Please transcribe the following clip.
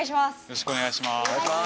よろしくお願いします。